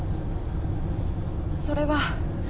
それは。